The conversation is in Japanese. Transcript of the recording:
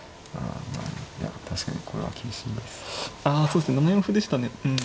そうですね７四歩でしたね。